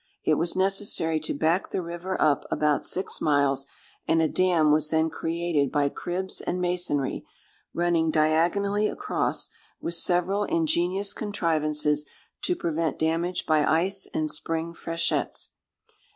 It was necessary to back the river up about six miles; and a dam was then created by cribs and masonry, running diagonally across, with several ingenious contrivances to prevent damage by ice and spring freshets.